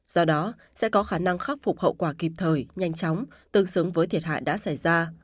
do đó sẽ có khả năng khắc phục hậu quả kịp thời nhanh chóng tương xứng với thiệt hại đã xảy ra